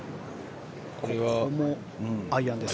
ここもアイアンです。